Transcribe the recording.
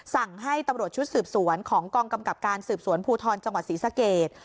สั่งให้ตำรวจชุดสืบสวนของกองกำกับการสืบสวนภูทรจังหวัดศรีสเกต